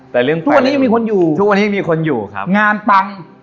แต่เรื่องแปรเรื่องทุกวันนี้ยังมีคนอยู่ครับงานปัง